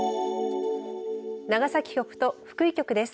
長崎局と福井局です。